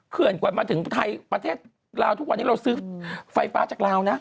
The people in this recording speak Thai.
เขื่อนกว่ามาถึงไทยประเทศลาวทุกวันนี้เราซื้อไฟฟ้าจากลาวนะ